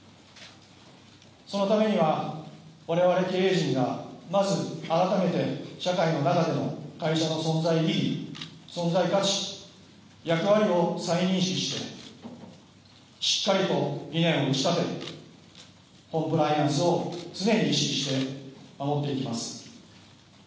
そのためには、我々経営陣がまず改めて社会の中での会社の存在意義、存在価値役割を再認識してしっかりと理念を打ち立てコンプライアンスを常に意識して守っていきます。